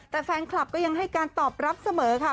แต่แฟนคลับก็ยังให้การตอบรับเสมอค่ะ